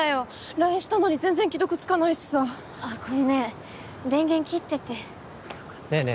ＬＩＮＥしたのに全然既読つかないしさごめん電源切っててねえね